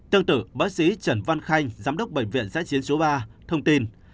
tương tự bác sĩ trần văn khanh giám đốc bệnh viện giã chiến số ba thông tin